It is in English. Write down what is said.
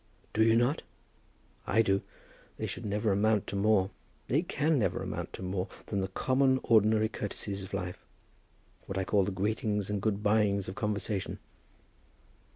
"Do you not? I do. They should never amount to more, they can never amount to more than the common, ordinary courtesies of life; what I call the greetings and good byings of conversation."